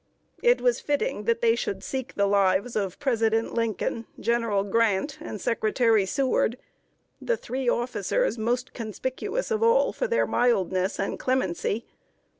It was fitting that they should seek the lives of President Lincoln, General Grant, and Secretary Seward, the three officers most conspicuous of all for their mildness and clemency.